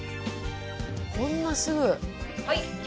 こんなすぐ。